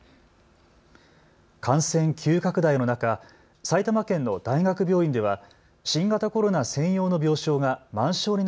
感染急拡大の中、埼玉県の大学病院では新型コロナ専用の病床が満床に